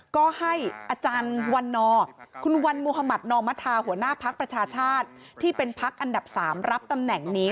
ก็ให้นขุมฟนนอมมาทาหัวหน้าพักประชาชาชที่เป็นทางพักอันดับ๓รับตำแหน่งนี้